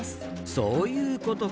そういうことか。